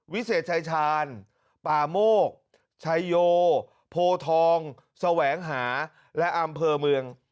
วิเศษชายชาญป่าโมกชัยโยโพทองแสวงหาและอำเภอเมือง